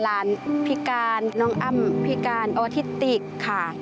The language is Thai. หลานพิการน้องอ้ำพิการออทิติกค่ะ